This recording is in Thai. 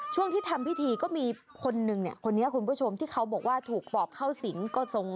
ช่วงที่ทำพิธีก็มีคนหนึ่งเนี่ยคนนี้คุณผู้ชมที่เขาบอกว่าถูกปอบเข้าสิงก็ทรง